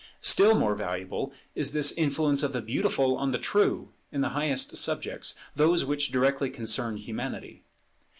Still more available is this influence of the Beautiful on the True in the highest subjects, those which directly concern Humanity.